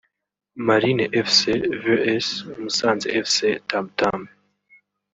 Marines Fc vs Musanze Fc (Tam Tam)